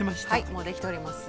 もうできております。